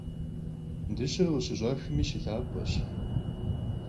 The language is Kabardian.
Dışer khışış'axmi şılhap'eş.